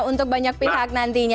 untuk banyak pihak nantinya